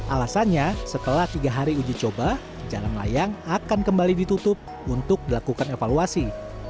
alasannya setelah tiga hari uji coba jalan layang akan kembali ditutup untuk dilakukan evaluasi